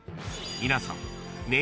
［皆さん］